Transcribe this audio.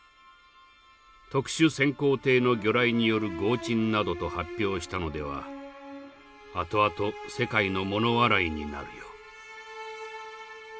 特殊潜航艇の魚雷による轟沈などと発表したのではあとあと世界のもの笑いになるよ」。